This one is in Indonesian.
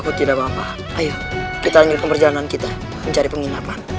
oh tidak apa apa ayo kita lanjutkan perjalanan kita mencari penginapan